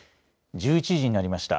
１１時になりました。